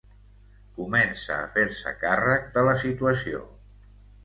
Comença a fer-se càrrec de la situació.